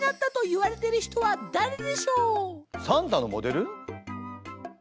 サンタのモデル？